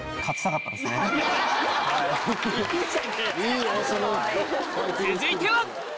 続いては！